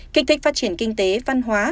kịch thích phát triển kinh tế văn hóa